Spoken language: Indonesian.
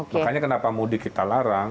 makanya kenapa mudik kita larang